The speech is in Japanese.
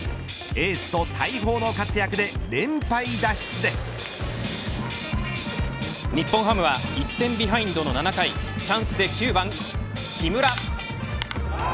エースと大砲の活躍で日本ハムは１点ビハインドの７回チャンスで９番、木村。